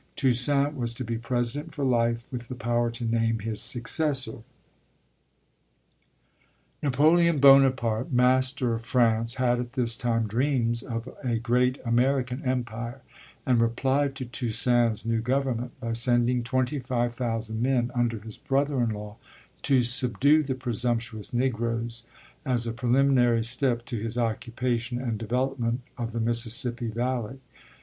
Toussaint was to be president for life, with the power to name his successor. Napoleon Bonaparte, master of France, had at this time dreams of a great American empire, and replied to Toussaint's new government by sending twenty five thousand men under his brother in law to subdue the presumptuous Negroes, as a preliminary step to his occupation and development of the Mississippi valley.